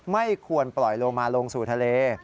ไม่ควรปล่อยโลมาลงสู่ทะเล